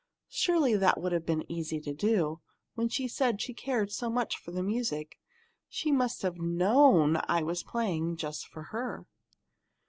"Surely that would have been easy to do, when she said she cared so much for the music. She must have known I was playing just for her!"